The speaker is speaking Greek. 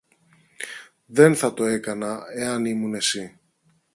Δεν θα το έκανα εάν ήμουν εσύ.